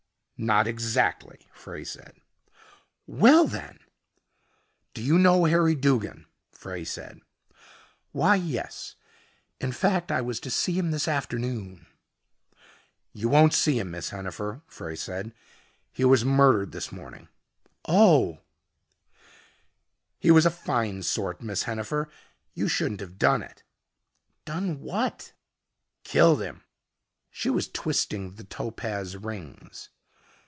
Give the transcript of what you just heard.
"Not exactly " Frey said. "Well then " "Do you know Harry Duggin?" Frey said. "Why yes. In fact, I was to see him this afternoon " "You won't see him, Miss Hennifer," Frey said. "He was murdered this morning." "Oh " "He was a fine sort, Miss Hennifer. You shouldn't have done it." "Done what?" "Killed him." She was twisting the topaz rings.